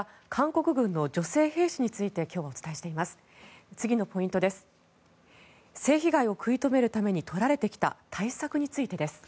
性被害を食い止めるために取られてきた対策についてです。